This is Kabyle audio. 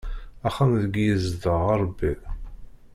Axxam deg i yezdeɣ Ṛebbi.